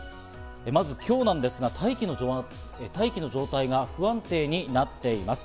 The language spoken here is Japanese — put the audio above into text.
まず今日なんですが、大気の状態が不安定になっています。